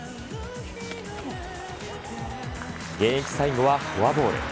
現役最後はフォアボール。